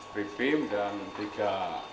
tri pim dan tiga